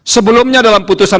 sebelumnya dalam putusan